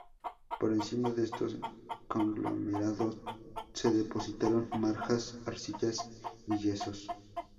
Por encima de estos conglomerados se depositaron margas, arcillas y yesos.